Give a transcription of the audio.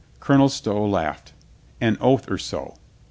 Colonel Stow laughed. "An oath or so."